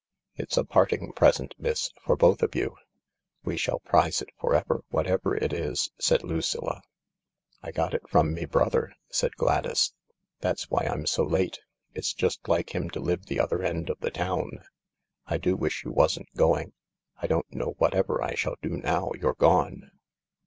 "It's a parting present, miss. For both of you." " We shall prize it for ever, whatever it is," said Lucilla. "I got it from me brother," said Gladys, "that's why I'm so late. It's just like him to live the other end of the town. I do wish you wasn't going! I don't know what ever I shall do now you've gone.